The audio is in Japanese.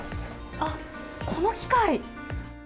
あっ、この機械？